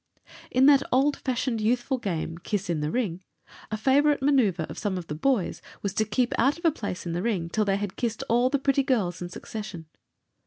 In that old fashioned youthful game, "Kiss in the Ring," a favorite manœuvre of some of the boys was to keep out of a place in the ring till they had kissed all the pretty girls in succession.